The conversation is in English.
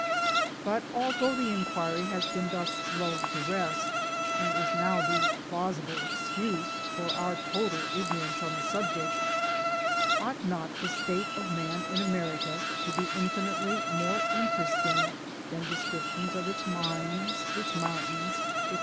But although inquiry has been thus lulled to rest, and is now the plausible excuse for our total ignorance on the subject, ought not the state of man in America to be infinitely more interesting than descriptions of its mines, its mountidns, &c.